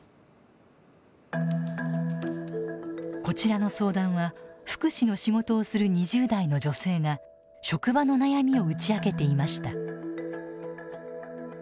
こちらの相談は福祉の仕事をする２０代の女性が職場の悩みを打ち明けていました。